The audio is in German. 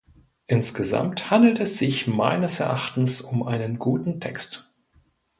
Insgesamt handelt es sich meines Erachtens um einen guten Text.